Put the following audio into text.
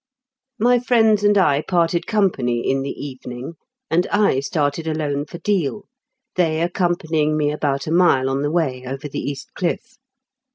My friends and I parted company in the evening, and I started alone for Deal, they accompanying me about a mile on the way over the East Cliff.